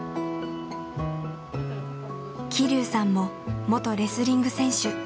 希龍さんも元レスリング選手。